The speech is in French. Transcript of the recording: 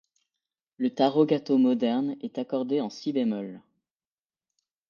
Le tárogató moderne est accordé en Si bémol.